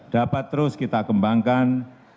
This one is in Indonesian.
dapat terus kita kembangkan